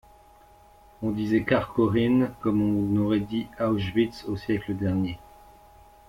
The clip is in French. On disait Kharkhorin comme on aurait dit Auschwitz au siècle dernier